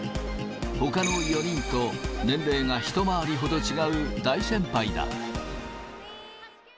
ほかの４人と年齢が一回りほど違う大先輩だ。